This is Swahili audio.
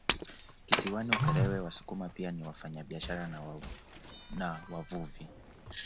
Kisiwani Ukerewe Wasukuma pia ni wafanyabiashara na uvuvi